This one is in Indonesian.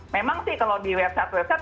memang sih kalau di website website